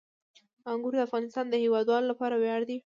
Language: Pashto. انګور د افغانستان د هیوادوالو لپاره ویاړ دی.